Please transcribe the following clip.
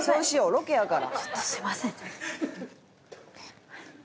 ロケやから。」